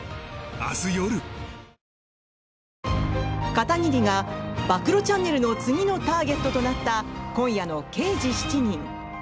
片桐が暴露チャンネルの次のターゲットとなった今夜の「刑事７人」。